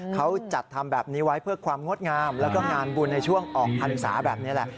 เขาจัดทำแบบนี้ไว้เพื่อความงดงามแล้วก็งานบุญในช่วงออกพรรษาแบบนี้แหละ